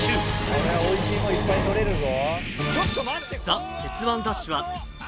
これはおいしいもんいっぱい取れるぞ。